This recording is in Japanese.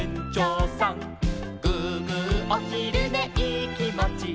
「グーグーおひるねいいきもち」